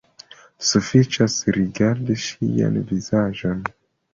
Sufiĉas rigardi ŝian vizaĝon.